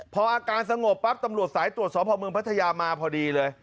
พออาการสงบปั๊บตำรวจสายตรวจสอบพ่อเมืองพัทยามาพอดีเลย